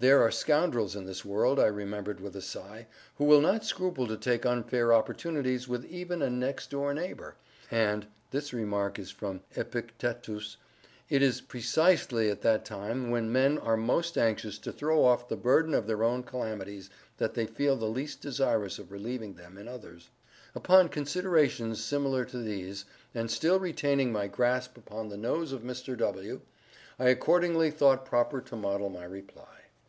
There are scoundrels in this world, I remembered with a sigh, who will not scruple to take unfair opportunities with even a next door neighbor, and (this remark is from Epictetus) it is precisely at that time when men are most anxious to throw off the burden of their own calamities that they feel the least desirous of relieving them in others. Upon considerations similar to these, and still retaining my grasp upon the nose of Mr. W., I accordingly thought proper to model my reply.